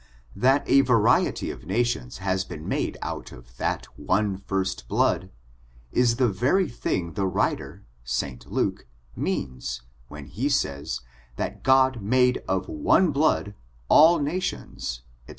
That a variety of nations has been mado out of that ime first blood, is the very thing the writer, St Luke, means, when he says, that God made of o^ie blood cM nations, &c.